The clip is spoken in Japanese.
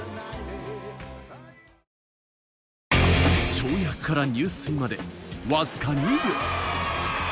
跳躍から入水まで、わずか２秒。